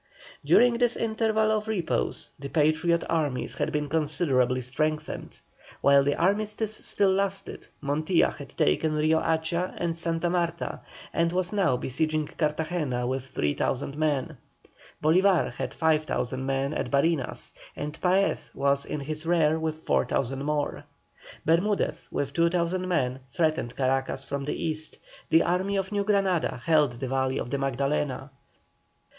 During this interval of repose the Patriot armies had been considerably strengthened. While the armistice still lasted Montilla had taken Rio Hacha and Santa Marta, and was now besieging Cartagena with 3,000 men. Bolívar had 5,000 men at Barinas, and Paez was in his rear with 4,000 more. Bermudez with 2,000 men threatened Caracas from the East; the army of New Granada held the valley of the Magdalena.